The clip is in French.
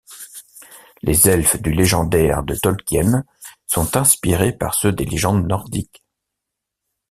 Les Elfes du légendaire de Tolkien sont inspirés par ceux des légendes nordiques.